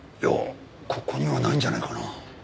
ここにはないんじゃないかな。